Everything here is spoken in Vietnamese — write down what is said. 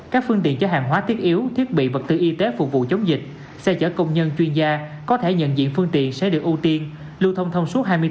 các phương tiện cho hàng hóa thiết yếu thiết bị vật tư y tế phục vụ chống dịch xe chở công nhân chuyên gia có thể nhận diện phương tiện sẽ được ưu tiên